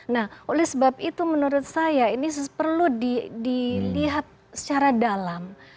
nah oleh sebab itu menurut saya ini perlu dilihat secara dalam